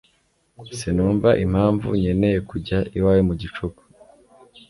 Sinumva impamvu nkeneye kujya iwawe mu gicuku